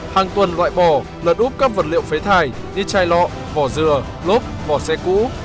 hàng tuần loại bỏ lật úp các vật liệu phế thải như chai lọ vỏ dừa lốp vỏ xe cũ